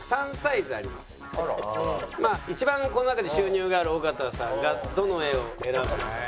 まあ一番この中で収入がある尾形さんがどの画を選ぶのか？